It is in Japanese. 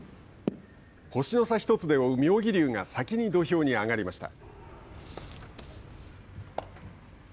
星の差１つで追う妙義龍が先に土俵に上がりました。